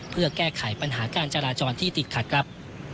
เพื่อแก้ไขปัญหาการจราจรที่ติดขัดครับ